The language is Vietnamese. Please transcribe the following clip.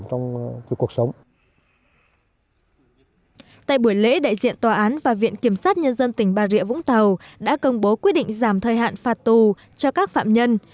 tại buổi lễ đại diện tòa án và viện kiểm sát nhân dân tỉnh bà rịa vũng tàu đã công bố quyết định giảm thời hạn phạt tù cho các phạm nhân